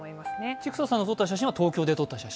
千種さんが撮った写真は東京で撮った写真？